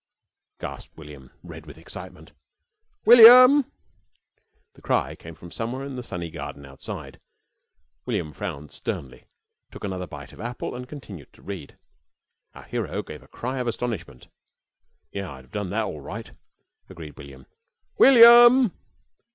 gasped William, red with excitement. "William!" The cry came from somewhere in the sunny garden outside. William frowned sternly, took another bite of apple, and continued to read. "Our hero gave a cry of astonishment." "Yea, I'd have done that all right," agreed William. "_William!